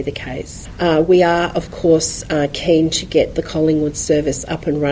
kita tentu saja berharap untuk mengembangkan servis collingwood